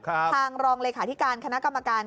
ทางรองเลขาธิการคณะกรรมการ